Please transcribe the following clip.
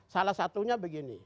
salah satunya begini